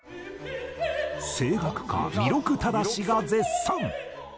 声楽家彌勒忠史が絶賛！